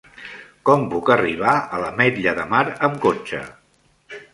Com puc arribar a l'Ametlla de Mar amb cotxe?